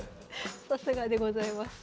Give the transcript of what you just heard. さすがでございます。